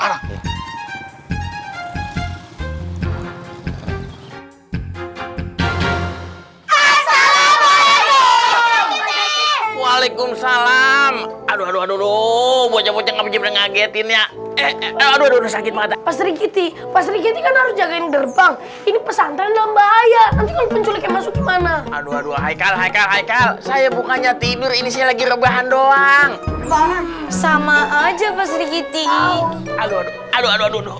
assalamualaikum waalaikumsalam aduh aduh aduh bocok bocok ngagetin ya aduh sakit mata